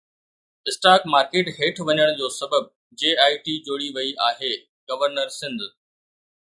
stock market هيٺ وڃڻ جو سبب جي آءِ ٽي جوڙي وئي آهي، گورنر سنڌ